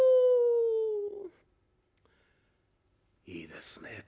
いいですね